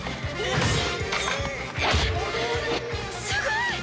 すごい！